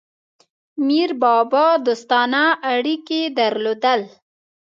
میربابا دوستانه اړیکي درلودل.